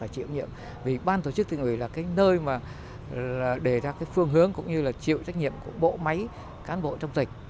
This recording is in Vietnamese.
thì ban tổ chức tình ủy là nơi để ra phương hướng cũng như là chịu trách nhiệm của bộ máy cán bộ trong dịch